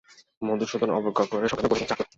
মধুসূদন অবজ্ঞা করে সংক্ষেপে বললে, যাক-না।